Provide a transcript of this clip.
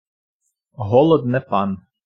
Голод не пан.